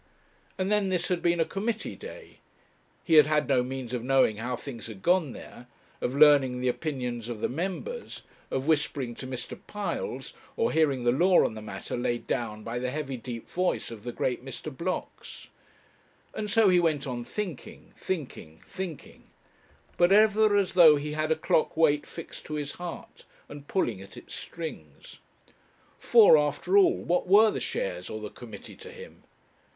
And then this had been a committee day; he had had no means of knowing how things had gone there, of learning the opinions of the members, of whispering to Mr. Piles, or hearing the law on the matter laid down by the heavy deep voice of the great Mr. Blocks. And so he went on thinking, thinking, thinking, but ever as though he had a clock weight fixed to his heart and pulling at its strings. For, after all, what were the shares or the committee to him?